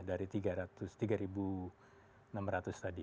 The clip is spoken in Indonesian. dari tiga enam ratus tadi